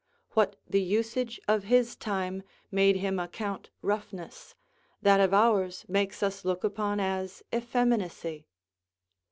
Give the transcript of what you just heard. What the usage of his time made him account roughness, that of ours makes us look upon as effeminacy.